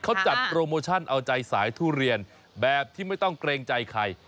เขาจัดโปรโมชั่นเอาใจสายทุเรียนแบบที่ไม่ต้องเกรงใจใคร